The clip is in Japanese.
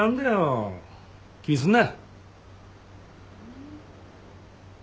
気にすんな。